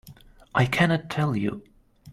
I cannot tell you.